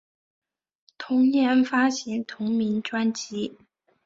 同年发行同名专辑。